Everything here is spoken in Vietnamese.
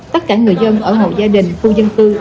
tất cả người dân ở hộ gia đình khu dân cư